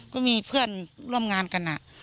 ก็มีเพื่อนร่วมงานกัน